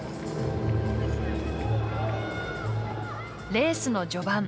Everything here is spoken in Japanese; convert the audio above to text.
レースの序盤